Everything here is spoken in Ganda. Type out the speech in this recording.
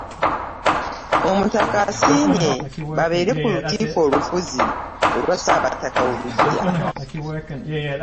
Omutaka asiimye babeere ku lukiiko olufuzi olwa Ssaabataka oluggya